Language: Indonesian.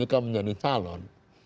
jika menjadi calon